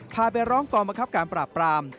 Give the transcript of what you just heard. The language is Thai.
พาไปร้องกรมกรับการปราบปราม